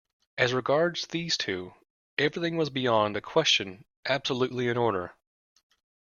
As regards these two, everything was beyond a question absolutely in order.